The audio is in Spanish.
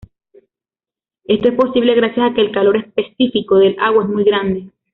Esto es posible gracias a que el calor específico del agua es muy grande.